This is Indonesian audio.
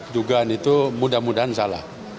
dugaan itu mudah mudahan salah